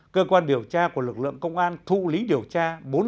cơ quan điều tra của lực lượng công an thụ lý điều tra